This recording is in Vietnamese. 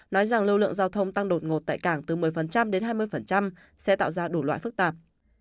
nói rằng lưu lượng giao thông tăng đột ngột tại cảng từ một mươi đến hai mươi sẽ tạo ra đủ loại phức tạp